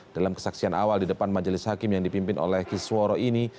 dalam kesaksian awal di depan majelis hakim yang dipimpin oleh kisworo ini